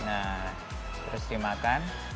nah terus dimakan